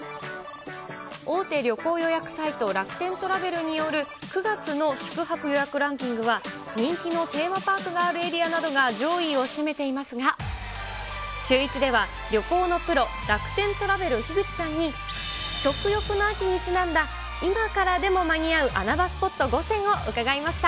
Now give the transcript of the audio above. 大手旅行予約サイト、楽天トラベルによる９月の宿泊予約ランキングは、人気のテーマパークがあるエリアなどが上位を占めていますが、シューイチでは、旅行のプロ、楽天トラベル、樋口さんに食欲の秋にちなんだ、今からでも間に合う穴場スポット５選を伺いました。